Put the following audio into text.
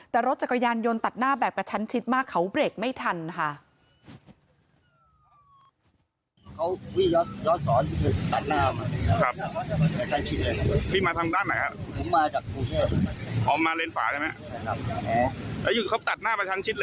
แต่รถจักรยานยนต์ตัดหน้าแบบกระชั้นชิดมากเขาเบรกไม่ทันค่ะ